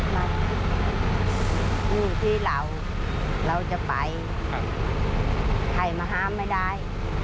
มันนี่ที่เราเราจะไปใครมาห้ามไม่ได้